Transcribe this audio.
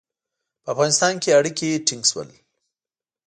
په افغانستان کې اړیکي ټینګ شول.